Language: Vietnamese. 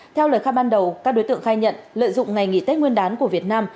theo lời khai ban đầu các đối tượng khai nhận lợi dụng ngày nghỉ tết nguyên đán của việt nam